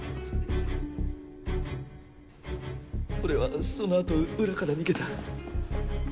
俺はそのあと裏から逃げた。